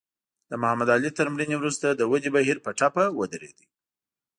د محمد علي تر مړینې وروسته د ودې بهیر په ټپه ودرېد.